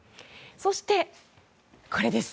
そして、これです。